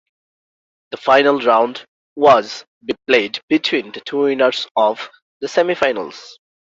The final round was be played between the two winners of the semifinals.